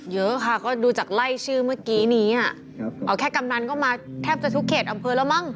เยอะค่ะก็ดูจากไล่ชื่อเมื่อกี้นี้อ่ะเอาแค่กำนันก็มาแทบจะทุกเขตอำเภอแล้วมั้ง